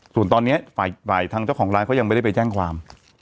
ส่วนตอนนี้ฝ่ายทางเจ้าของร้านเขายังไม่ได้ไปแจ้งความ